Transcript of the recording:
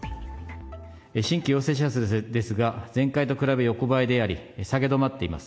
新規陽性者数ですが、前回と比べ横ばいであり、下げ止まっています。